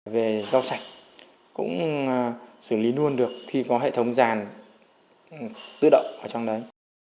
về rau sạch cũng xử lý luôn được khi có hệ thống giàn tự động ở trong đấy